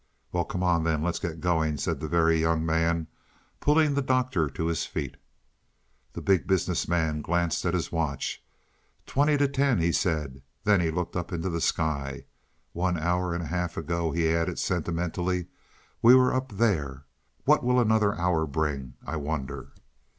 "Well, come on then, let's get going," said the Very Young Man, pulling the Doctor to his feet. The Big Business Man glanced at his watch. "Twenty to ten," he said. Then he looked up into the sky. "One hour and a half ago," he added sentimentally, "we were up there. What will another hour bring I wonder?"